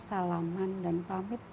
salaman dan pamit